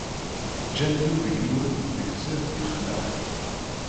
Ǧǧan-ten deg yiwet n tegzirt yexlan.